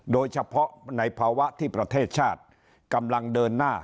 โดยเฉพาะในภาวะที่ประเทศชาติกำลังเดินหน้า